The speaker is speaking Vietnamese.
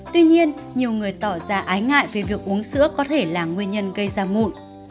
tuy nhiên nhiều người tỏ ra ái ngại về việc uống sữa có thể là nguyên nhân gây ra mụn